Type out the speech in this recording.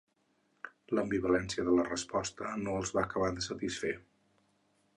L'ambivalència de la resposta no els va acabar de satisfer.